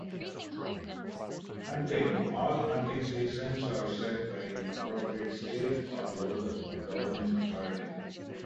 Hunting: All hunting seasons are set by the appropriate state or local governing authority.